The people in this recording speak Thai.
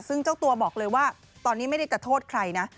ซึ่งเจ้าตัวบอกเลยว่าตอนนี้ไม่ได้จะโทษใครนะ